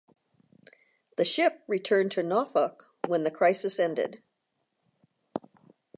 The ship returned to Norfolk when the crisis ended.